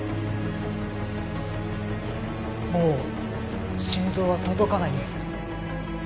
もう心臓は届かないんですか？